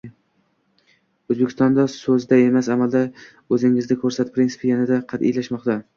Oʻzbekistonda “Soʻzda emas, amalda oʻzingni koʻrsat!” prinsipi yanada qatʼiylashmoqda.